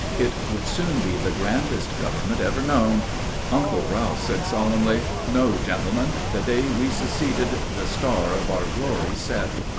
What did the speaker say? It would soon be the grandest government ever known. Uncle Ralph said solemnly, "No, gentlemen; the day we seceded the star of our glory set."